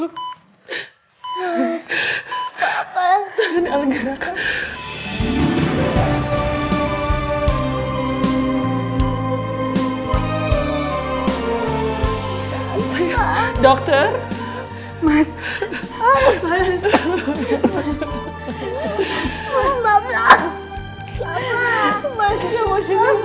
pekin asik umasik